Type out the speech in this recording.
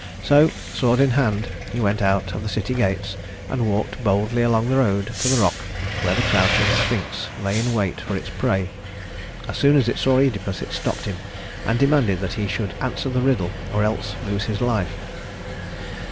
So, sword in hand, he went out of the city gates, and walked boldly along the road to the rock where the crouching Sphinx lay in wait for its prey. As soon as it saw Œdipus, it stopped him, and demanded that he should answer the riddle or else lose his life.